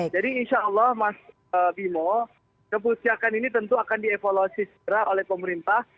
jadi insya allah mas bimo kebijakan ini tentu akan dievaluasi secara oleh pemerintah